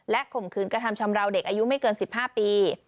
ข่มขืนกระทำชำราวเด็กอายุไม่เกิน๑๕ปี